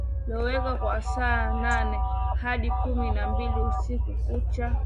loweka kwa saa nane hadi kumi na mbili usiku kucha